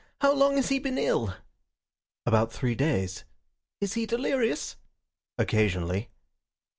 How long has he been ill?" "About three days." "Is he delirious?" "Occasionally."